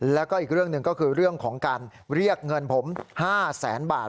แล้วก็อีกเรื่องหนึ่งก็คือเรื่องของการเรียกเงินผม๕แสนบาท